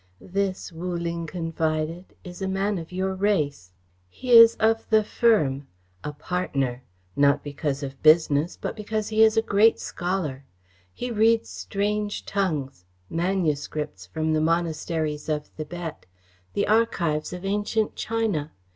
"This," Wu Ling confided, "is a man of your race. He is of the firm a partner not because of business, but because he is a great scholar. He reads strange tongues, manuscripts from the monasteries of Thibet, the archives of ancient China.